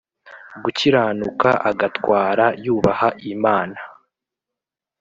gukiranuka Agatwara yubaha Imana